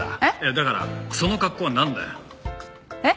だからその格好はなんだよ？えっ？